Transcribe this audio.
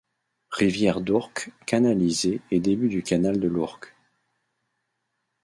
Rivière l'Ourcq canalisée et début du canal de l'Ourcq.